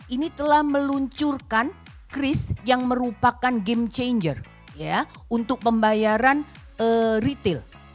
ini telah meluncurkan cris yang merupakan game changer untuk pembayaran retail